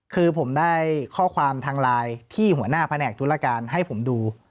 คือผมได้ข้อความทางไลน์ที่หัวหน้าแผนกธุรการให้ผมดู